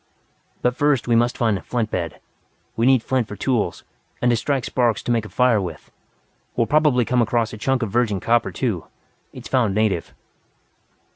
"But first we must find a flint bed. We need flint for tools, and to strike sparks to make a fire with. We will probably come across a chunk of virgin copper, too it's found native."